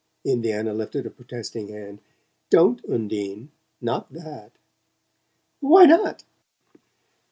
Indiana lifted a protesting hand. "Don't, Undine not that!" "Why not?"